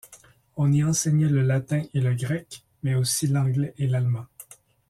On y enseignait le latin et le grec, mais aussi l'anglais et l'allemand.